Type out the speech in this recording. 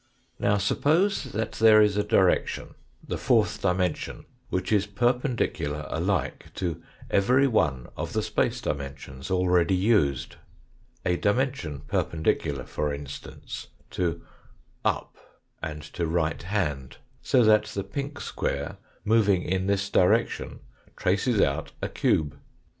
Now suppose that there is a direction, the fourth dimension, which is perpendicular alike to every one of the space dimensions already used a dimension perpendicular, for instance, to up and to right hand, so that the pink square moving in this direction traces out a cube.